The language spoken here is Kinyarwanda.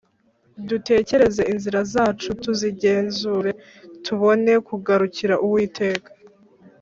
Dutekereze inzira zacu tuzigenzure, Tubone kugarukira Uwiteka.